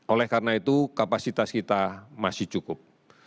oleh karena itu kapasitas kita masih cukup